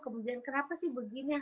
kemudian kenapa sih begini